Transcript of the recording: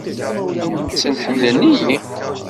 Imawlan-nsen ḥemmlen-iyi.